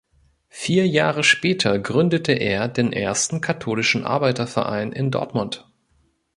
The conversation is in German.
Vier Jahre später gründete er den ersten katholischen Arbeiterverein in Dortmund.